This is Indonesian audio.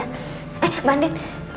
eh mbak andin